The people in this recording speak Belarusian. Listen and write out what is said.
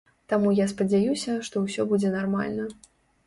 Таму я спадзяюся, што ўсё будзе нармальна.